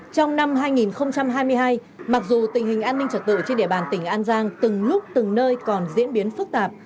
trong năm hai nghìn hai mươi hai mặc dù tình hình an ninh trật tự trên địa bàn tỉnh an giang từng lúc từng nơi còn diễn biến phức tạp